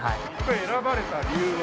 選ばれた理由は？